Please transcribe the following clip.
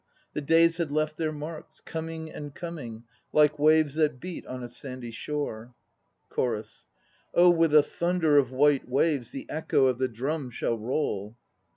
The days had left their marks, Coming and coming, like waves that beat on a sandy shore ... CHORUS. Oh, with a thunder of white waves The echo of the drum shall roll.